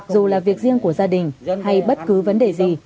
dù là việc riêng của gia đình hay bất cứ vấn đề gì